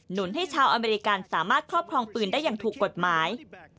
นุนให้ชาวอเมริกันสามารถครอบครองปืนได้อย่างถูกกฎหมาย